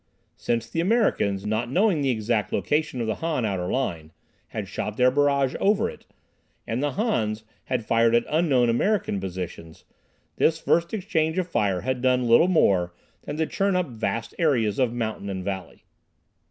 Since the Americans, not knowing the exact location of the Han outer line, had shot their barrage over it, and the Hans had fired at unknown American positions, this first exchange of fire had done little more than to churn up vast areas of mountain and valley.